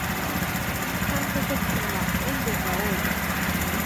インスタント食品は塩分が多い